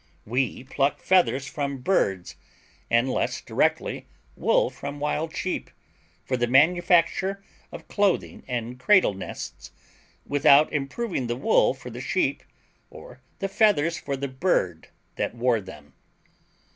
We pluck feathers from birds, and less directly wool from wild sheep, for the manufacture of clothing and cradle nests, without improving the wool for the sheep, or the feathers for the bird that wore them.